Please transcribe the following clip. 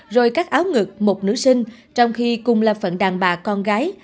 rồi các áo ngực một nữ sinh trong khi cùng là phận đàn bà con gái